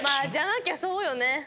じゃなきゃそうよね。